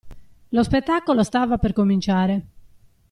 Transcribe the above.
Lo spettacolo stava per cominciare.